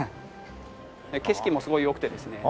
景色もすごい良くてですね。